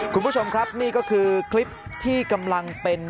คุณผู้ชมครับนี่ก็คือคลิปที่กำลังเป็น